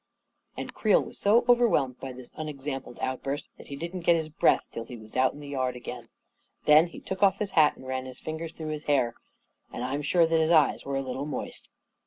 And Creel was so overwhelmed by this unex ampled outburst, that he didn't get his breath till he ao A KING IN BABYLON was out in the yard again. Then he took off his hat and ran his fingers through his hair; and I'm Hare that his eyes were a little moist.